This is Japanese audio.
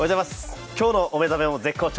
今日のお目覚めも絶好調